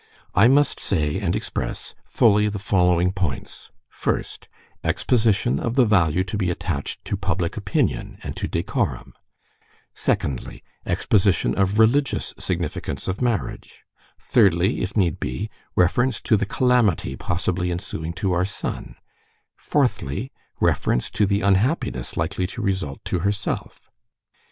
"I must say and express fully the following points: first, exposition of the value to be attached to public opinion and to decorum; secondly, exposition of religious significance of marriage; thirdly, if need be, reference to the calamity possibly ensuing to our son; fourthly, reference to the unhappiness likely to result to herself."